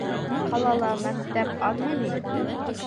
Ҡалала мәктәп аҙмы ни?